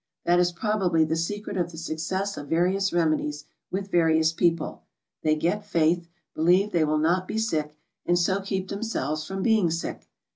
That is probably the secret of the success of various remedies with various people, — they get faith, believe they will not be sick, and so keep themselves from being sick.